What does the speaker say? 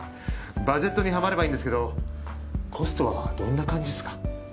バジェットにハマればいいんですけどコストはどんな感じですか？